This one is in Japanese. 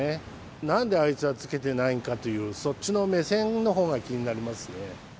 なんであいつは着けてないんかという、そっちの目線のほうが気になりますね。